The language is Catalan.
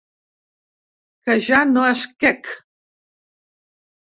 Que ja no és quec.